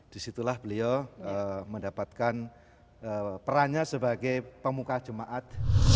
disitulah beliau mendapatkan perannya sebagai pemuka jemaat